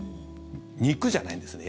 肉じゃないんですね。